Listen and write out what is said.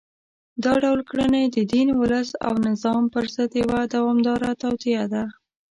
دا ډول کړنې د دین، ولس او نظام پر ضد یوه دوامداره توطیه ده